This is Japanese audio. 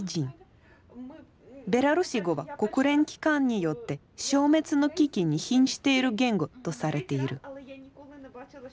ベラルーシ語は国連機関によって消滅の危機に瀕している言語とされている。